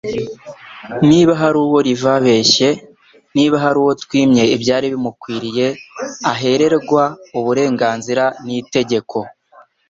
niba hari uwo rivabeshye, niba hari uwo twimye ibyari bimukwiriye ahererwa uburenganzira n'itegeko,